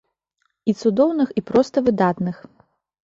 І цудоўных, і проста выдатных.